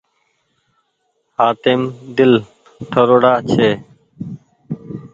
هآتيم دل ٺرو ڙآ ڇي۔